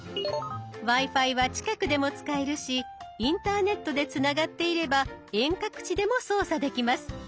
Ｗｉ−Ｆｉは近くでも使えるしインターネットでつながっていれば遠隔地でも操作できます。